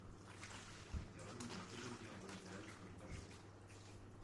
Il termine la Seconde Guerre mondiale comme Major.